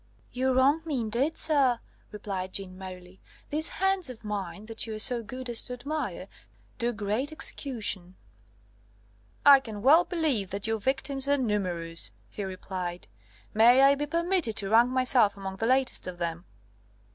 "You wrong me, indeed, sir," replied Jeanne merrily. "These hands of mine, that you are so good as to admire, do great execution!" "I can well believe that your victims are numerous," he replied; "may I be permitted to rank myself among the latest of them?"